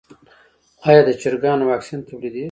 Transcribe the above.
آیا د چرګانو واکسین تولیدیږي؟